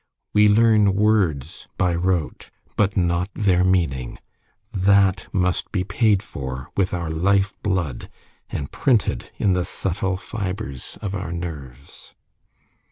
We learn words by rote, but not their meaning; that must be paid for with our life blood, and printed in the subtle fibres of our nerves.